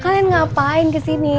kalian ngapain kesini